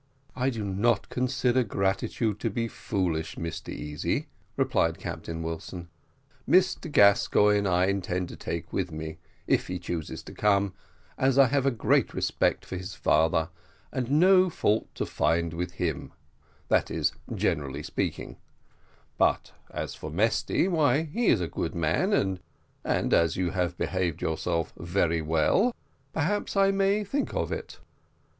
"I do not consider gratitude to be foolish, Mr Easy," replied Captain Wilson. "Mr Gascoigne I intend to take with me, if he chooses to come, as I have a great respect for his father, and no fault to find with him, that is, generally speaking but as for Mesty why, he is a good man, and as you have behaved yourself very well, perhaps I may think of it."